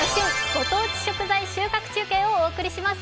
ご当地食材収穫中継」をお送りします。